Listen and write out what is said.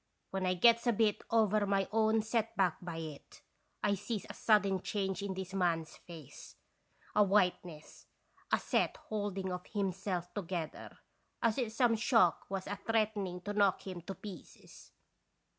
When I gets a bit over my own set back by it, I sees a sudden change in this man's face, a whiteness, a set holding of him self together, as if some shock was a threaten ing to knock him to pieces.